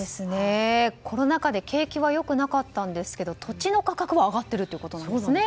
コロナ禍で景気は良くなかったんですけども土地の価格は上がっているということなんですね。